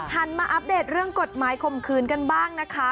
หันมาอัปเดตเรื่องกฎหมายข่มขืนกันบ้างนะคะ